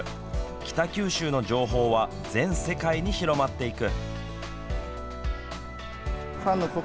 北九州の情報は全世界に広まっていく。